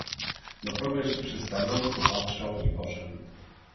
Na progu jeszcze przystanął, popatrzał i poszedł.